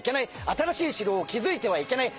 新しい城を築いてはいけない。